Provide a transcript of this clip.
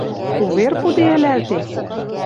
Увер пуде ӹлӓлтет?